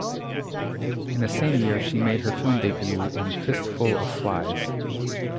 In the same year she made her film debut in "Fistful of Flies".